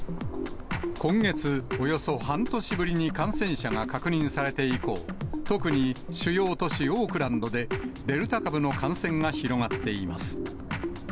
今月、およそ半年ぶりに感染者が確認されて以降、特に主要都市オークランドで、デルタ株の感染が広がっています。